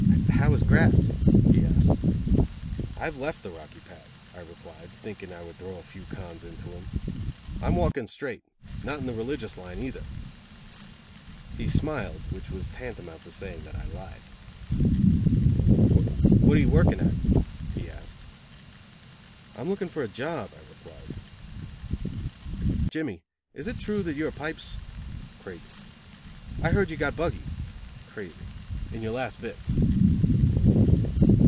"How is graft?" he asked. "I have left the Rocky Path," I replied, thinking I would throw a few "cons" into him. "I am walking straight. Not in the religious line, either." He smiled, which was tantamount to saying that I lied. "What are you working at?" he asked. "I am looking for a job," I replied. "Jimmy, is it true, that you are pipes (crazy)? I heard you got buggy (crazy) in your last bit."